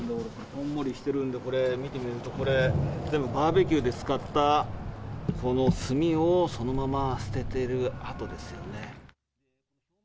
こんもりしてるんで、見てみると、これ、全部、バーベキューで使ったその炭をそのまま捨ててる跡ですよね。